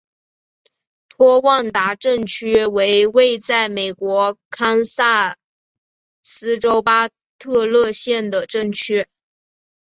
托旺达镇区为位在美国堪萨斯州巴特勒县的镇区。